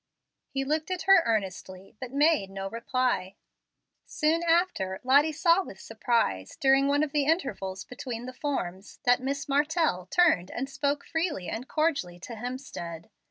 He looked at her earnestly, but made no reply. Soon after, Lottie saw with surprise, during one of the intervals between the forms, that Miss Martell turned and spoke freely and cordially to Hemstead.